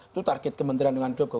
itu target kementerian negara indonesia